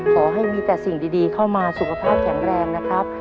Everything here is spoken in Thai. ขอให้มีแต่สิ่งดีเข้ามาสุขภาพแข็งแรงนะครับ